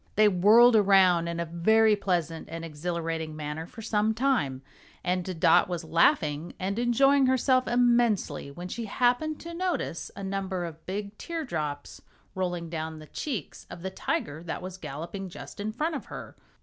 They whirled around in a very pleasant and exhilarating manner for some time, and Dot was laughing and enjoying herself immensely when she happened to notice a number of big teardrops rolling down the cheeks of the tiger that was galloping just in front of her.